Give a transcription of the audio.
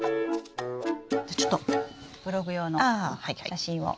じゃちょっとブログ用の写真を。